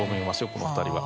この２人は。